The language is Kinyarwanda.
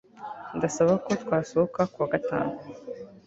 Ndasaba ko twasohoka kuwa gatanu